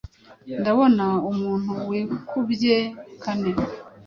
Ndabona Umuntu wikubye kane,